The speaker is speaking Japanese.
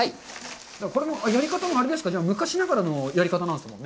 このやり方もあれですか、昔ながらのやり方なんですもんね？